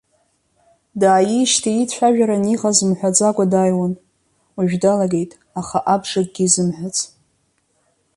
Дааиижьҭеи иицәажәаран иҟаз мҳәаӡакәа дааиуан, уажә далагеит, аха абжакгьы изымҳәац.